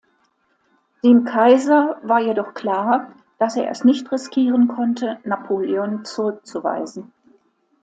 Dem Kaiser war jedoch klar, dass er es nicht riskieren konnte, Napoleon zurückzuweisen.